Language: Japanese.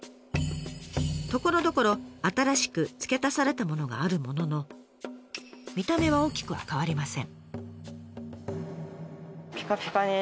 ところどころ新しく付け足されたものがあるものの見た目は大きくは変わりません。